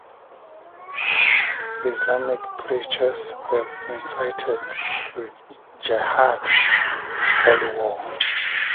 Islamic preachers have incited to jihad (holy war).